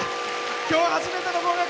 今日初めての合格！